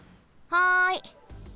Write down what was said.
はい。